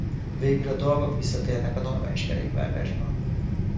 Végül a dolgok visszatérnek a normális kerékvágásba.